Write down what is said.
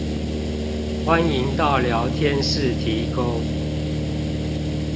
歡迎到聊天室提供